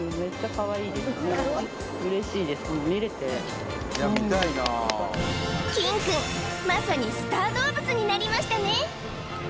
はいキンくんまさにスター動物になりましたね